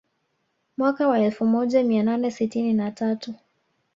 Mwaka wa elfu moja mia nane sitini na tatu